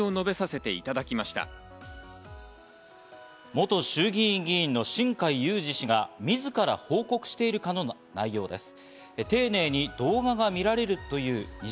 元衆議院議員の新開裕司氏がみずから報告しているかのような内容です。